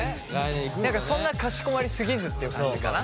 何かそんなかしこまり過ぎずっていう感じかな。